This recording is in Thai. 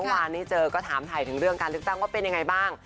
เมื่อวานนี้เจอก็ถามถ่ายถึงเรื่องการเลือกตั้งว่าเป็นยังไงบ้าง